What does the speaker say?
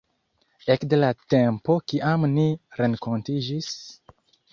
Ekde la tempo kiam ni renkontiĝis...